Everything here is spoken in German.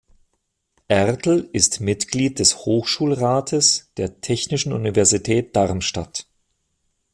Ertl ist Mitglied des Hochschulrates der Technischen Universität Darmstadt.